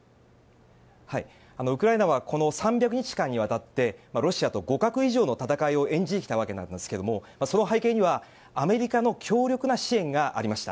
ウクライナはこの３００日間にわたってロシアと互角以上の戦いを演じてきたわけなんですけどもその背景には、アメリカの強力な支援がありました。